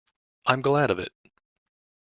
I'm glad of it!